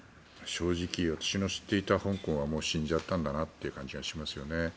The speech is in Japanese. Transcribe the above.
正直私の知っていた香港は死んじゃったんだなという感じがしますよね。